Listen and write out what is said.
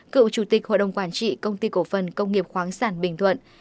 cựu chủ tịch hội đồng quản trị công ty cổ phần công nghiệp khoáng sản bình thuận